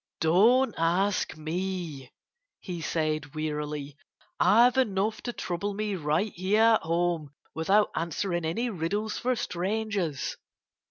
"Don't ask me!" he said wearily. "I've enough to trouble me right here at home without answering any riddles for strangers."